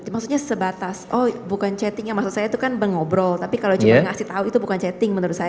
maksudnya sebatas oh bukan chattingnya maksud saya itu kan mengobrol tapi kalau cuma ngasih tahu itu bukan chatting menurut saya